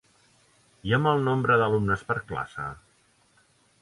I amb el nombre d’alumnes per classe?